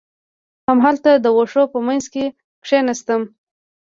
همالته د وښو په منځ کې کېناستم.